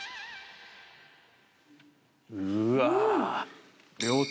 うわ。